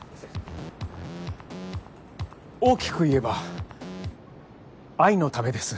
大きく言えば愛のためです。